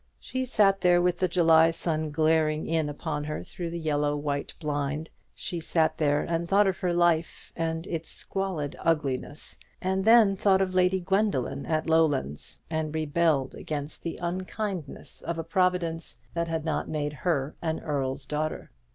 She sat there with the July sun glaring in upon her through the yellow white blind; she sat there and thought of her life and its squalid ugliness, and then thought of Lady Gwendoline at Lowlands, and rebelled against the unkindness of a Providence that had not made her an earl's daughter.